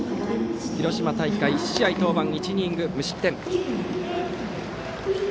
広島大会、１試合登板１イニング無失点。